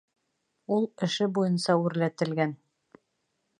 Ул эше буйынса үрләтелгән